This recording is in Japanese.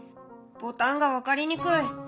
「ボタンが分かりにくい！」。